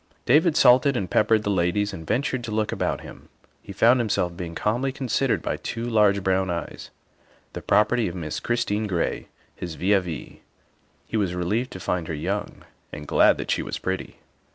David salted and peppered the ladies and ventured to look about him. He found himself being calmly con sidered by two large brown eyes, the property of Miss Christine Gray, his vis a vis. He was relieved to find her young and glad that she was pretty.